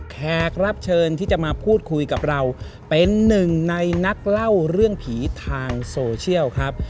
แขกรับเชิญที่จะมาพูดคุยกับเราเป็นหนึ่งในนักเล่าเรื่องผีทางโซเชียลครับ